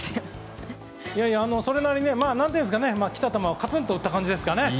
それなりに、来た球をカツンと打った感じですかね。